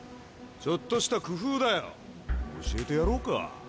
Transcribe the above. ちょっとした工夫だよ。教えてやろうか？